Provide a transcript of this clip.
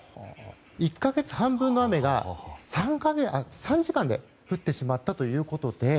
１か月の半分の雨が３時間で降ってしまったということで。